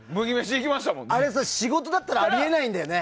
あれ、仕事だったらあり得ないもんね。